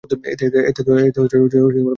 এতে তো ক্ষতির কিছু নেই।